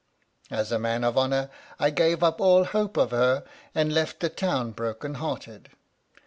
As a man of honour, I gave up all hope of her and left the town broken hearted.